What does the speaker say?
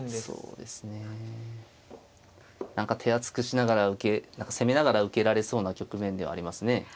そうですね何か手厚くしながら受け何か攻めながら受けられそうな局面ではありますね。